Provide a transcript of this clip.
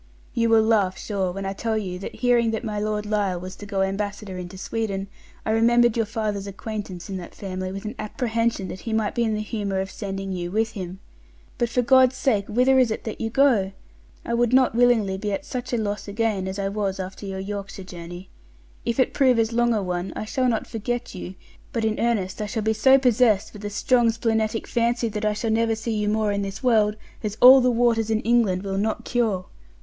You will laugh, sure, when I shall tell you that hearing that my Lord Lisle was to go ambassador into Sweden, I remember'd your father's acquaintance in that family with an apprehension that he might be in the humour of sending you with him. But for God's sake whither is it that you go? I would not willingly be at such a loss again as I was after your Yorkshire journey. If it prove as long a one, I shall not forget you; but in earnest I shall be so possessed with a strong splenetic fancy that I shall never see you more in this world, as all the waters in England will not cure.